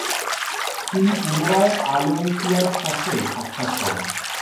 তিনি পুনরায় আলোয়সিয়ার সাথে সাক্ষাৎ করেন।